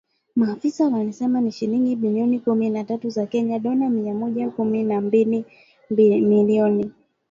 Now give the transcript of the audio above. Maafisa walisema ni shilingi bilioni kumi na tatu za Kenya (dolla mia moja kumi na mbili milioni).